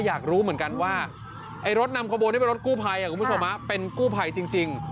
อยากรู้เหมือนกันว่ารถนำขบวนนี่เป็นรถกู้ไพเป็นกู้ไพจริง